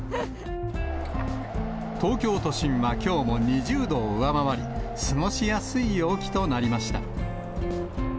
東京都心はきょうも２０度を上回り、過ごしやすい陽気となりました。